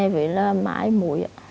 vì là mãi mỗi